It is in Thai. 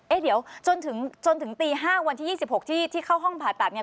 เดี๋ยวจนถึงตี๕วันที่๒๖ที่เข้าห้องผ่าตัดเนี่ย